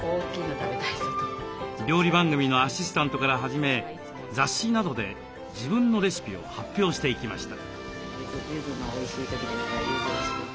料理番組のアシスタントから始め雑誌などで自分のレシピを発表していきました。